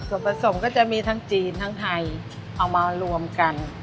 ส่วนผสมก็จะมีทั้งจีนทั้งไทยเอามารวมกัน